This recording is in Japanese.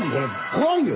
怖いよ！